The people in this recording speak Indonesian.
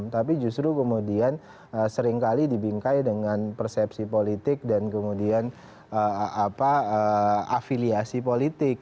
tapi justru kemudian seringkali dibingkai dengan persepsi politik dan kemudian afiliasi politik